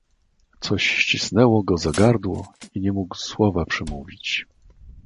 "coś ścisnęło go za gardło i nie mógł słowa przemówić."